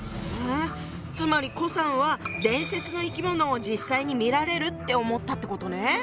つまり顧さんは伝説の生き物を実際に見られるって思ったってことね。